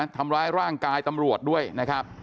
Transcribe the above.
ทำร้ายร่างกายตำรวจด้วยนะครับ